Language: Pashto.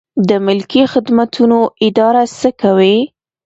د ملکي خدمتونو اداره څه کوي؟